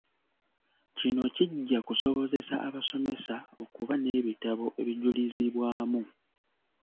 Kino kijja kusobozesa abasomesa okuba n'ebitabo ebijulizibwamu.